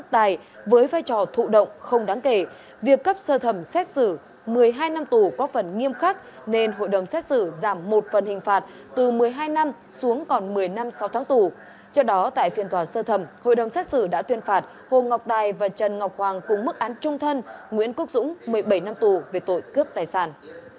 trong đó tại phiên tòa sơ thẩm hội đồng xét xử đã tuyên phạt hồ ngọc đài và trần ngọc hoàng cùng mức án trung thân nguyễn quốc dũng một mươi bảy năm tù về tội cướp tài sản